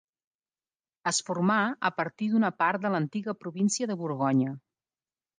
Es formà a partir d'una part de l'antiga província de Borgonya.